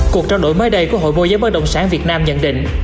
cuộc trao đổi mới đây của hội môi giới bất động sản việt nam nhận định